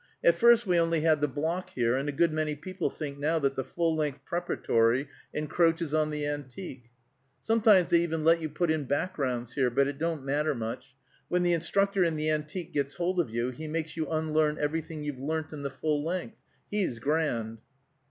At first we only had the block here, and a good many people think now that the full length Preparatory encroaches on the Antique. Sometimes they even let you put in backgrounds here, but it don't matter much: when the instructor in the Antique gets hold of you he makes you unlearn everything you've learnt in the full length. He's grand."